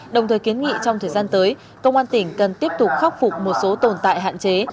đồng thời kiến nghị trong thời gian tới công an tỉnh cần tiếp tục khắc phục một số tồn tại hạn chế